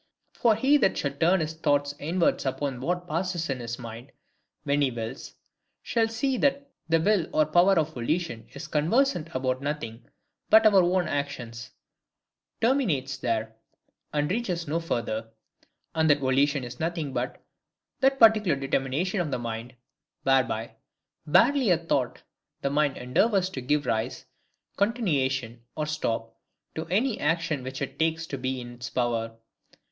For he that shall turn his thoughts inwards upon what passes in his mind when he wills, shall see that the will or power of volition is conversant about nothing but our own ACTIONS; terminates there; and reaches no further; and that volition is nothing but that particular determination of the mind, whereby, barely by a thought, the mind endeavours to give rise, continuation, or stop, to any action which it takes to be in its power.